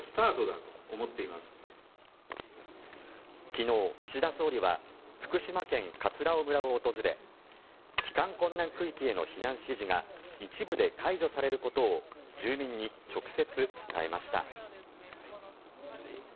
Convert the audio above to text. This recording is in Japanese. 昨日、岸田総理は福島県葛尾村を訪れ帰還困難区域への避難指示が一部で解除されることを住民に直接伝えました。